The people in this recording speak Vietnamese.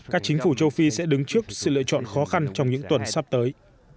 các chính phủ châu phi sẽ đứng trước sự lựa chọn khó khăn trong những tuần sắp tới